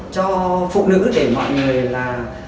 cho phụ nữ để mọi người là